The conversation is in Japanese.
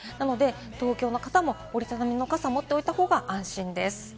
東京の方も折り畳みの傘を持っておいた方が安心です。